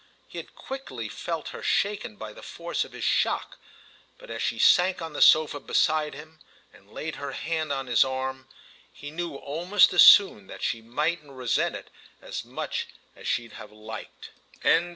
He had quickly felt her shaken by the force of his shock, but as she sank on the sofa beside him and laid her hand on his arm he knew almost as soon that she mightn't resent it as much as she'd have liked.